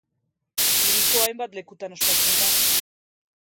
Hiriko hainbat lekutan ospatzen da.